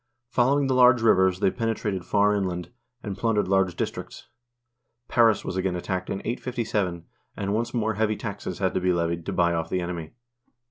Following the large rivers, they penetrated far inland, and plundered large districts. Paris was again attacked in 857, and once more heavy taxes had to be levied to buy off the enemy.